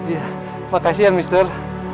iya makasih ya mister